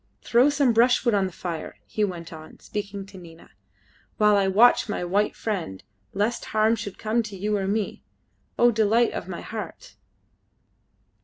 "Throw some brushwood on the fire," he went on, speaking to Nina, "while I watch my white friend, lest harm should come to you or to me, O delight of my heart!"